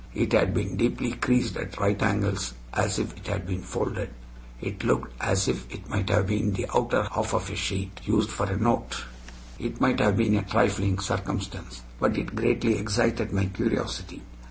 It had been deeply creased at right angles as if it had been folded; it looked as if it might have been the outer half of a sheet used for a note. It might have been a trifling circumstance, but it greatly excited my curiosity.